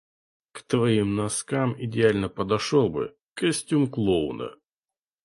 К твоим носкам идеально подошёл бы костюм клоуна.